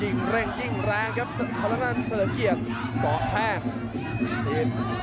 ยิ่งแรงยิ่งแรงครับคนักงานเฉลิมเกียจก็แพทย์